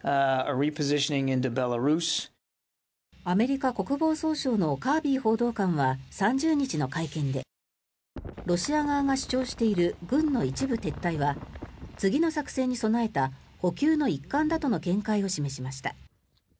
アメリカ国防総省のカービー報道官は３０日の会見でロシア側が主張している軍の一部撤退は次の作戦に備えた補給の一環だとの見解を示しました。